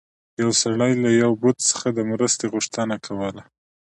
یو سړي له یو بت څخه د مرستې غوښتنه کوله.